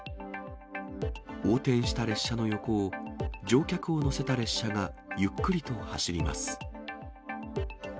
横転した列車の横を、乗客を乗せた列車がゆっくりと走ります。